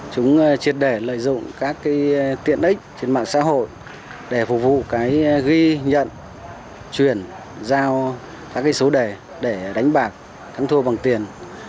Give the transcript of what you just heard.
chúng triệt đề lợi dụng các tiện ích trên mạng xã hội để phục vụ ghi nhận truyền giao các số đề để đánh bạc thắng thua bằng tiền